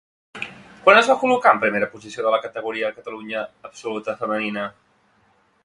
Quan es va col·locar en primera posició de la categoria Catalunya Absoluta femenina?